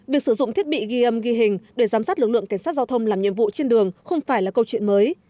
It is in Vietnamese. việc sử dụng thiết bị ghi âm ghi hình để giám sát lực lượng cảnh sát giao thông làm nhiệm vụ trên đường không phải là câu chuyện mới